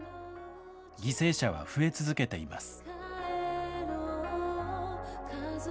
犠牲者は増え続けています。